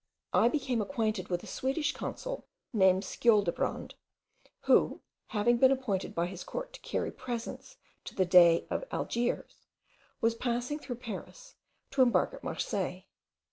I became acquainted with a Swedish consul, named Skioldebrand, who having been appointed by his court to carry presents to the dey of Algiers, was passing through Paris, to embark at Marseilles.